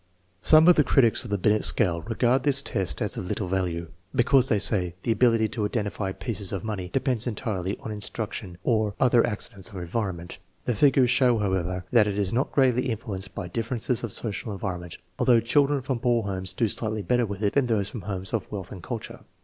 Some of the critics of the Binet scale, regard this test as of little value, because, they say, the ability to identify pieces oFTnonSy depends entirely on instruction or other accidents of environment. The figures show, however, that it is not greatly influenced by differences of affiougSchildren from poor homes do slightly better with it than those from homes of wealth and culture.